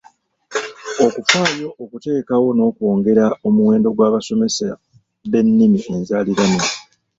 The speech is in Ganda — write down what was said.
Okufaayo okuteekawo n'okwongera omuwendo gw'abasomesa b'ennimi enzaaliranwa